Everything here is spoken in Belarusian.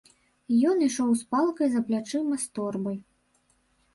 Ён ішоў з палкай, за плячыма з торбай.